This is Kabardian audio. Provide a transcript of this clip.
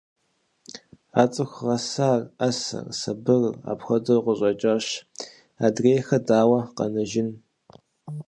А цӀыху гъэсар, Ӏэсэр, сабырыр апхуэдэу къыщӀэкӀащ, адрейхэр дауэ къэнэжын?